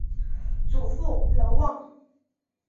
祖父娄旺。